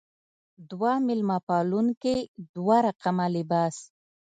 دوه مېلمه پالونکې دوه رقمه لباس.